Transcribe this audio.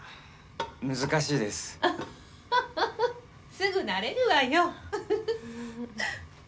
すぐ慣れるわよフフフ。